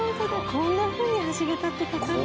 こんなふうに橋桁って架かるんだ。